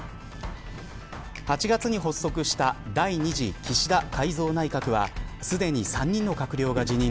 ８月に発足した第２次岸田改造内閣はすでに３人の閣僚が辞任。